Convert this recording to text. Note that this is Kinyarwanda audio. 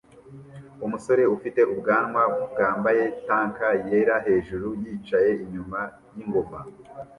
Umusore ufite ubwanwa bwambaye tank yera hejuru yicaye inyuma yingoma